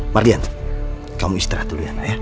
mardian kamu istirahat dulu ya